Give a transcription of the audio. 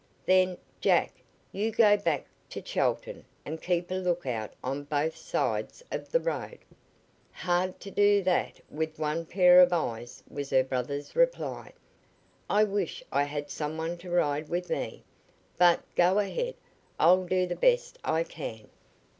"Then, Jack, you go back to Chelton and keep a lookout on both sides of the road." "Hard to do that with one pair of eyes," was her brother's reply. "I wish I had some one to ride with me. But go ahead; I'll do the best I can."